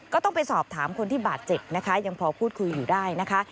ก็ต้องไปสอบถามคนที่บาดเจ็บนะคะยังพอพูดคุยอยู่ได้นะคะ